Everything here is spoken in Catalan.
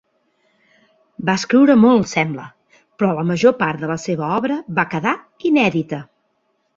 Va escriure molt, sembla, però la major part de la seva obra va quedar inèdita.